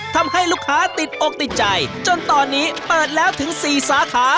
ทำให้ลูกค้าติดอกติดใจจนตอนนี้เปิดแล้วถึง๔สาขา